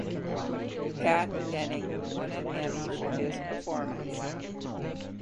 Pat Henning won an Emmy for his performance.